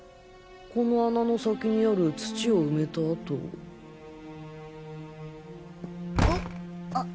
この穴の先にある土を埋めた跡うあっ！